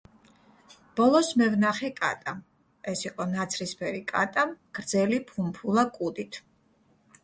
ბოლოს მე ვნახე კატა. ეს იყო ნაცრისფერი კატა გრძელი, ფუმფულა კუდით.